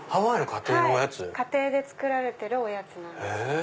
家庭で作られてるおやつです。